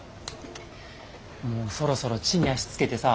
もうそろそろ地に足着けてさ